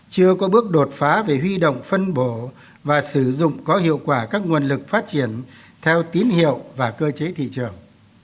chưa có bước đột phá về huy động phân bổ và sử dụng có hiệu quả các nguồn lực phát triển theo tín hiệu và cơ chế thị trường